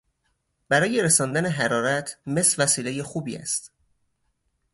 برای رساندن حرارت، مس وسیلهی خوبی است.